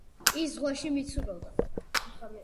ის ზღვაში მიცურავდა!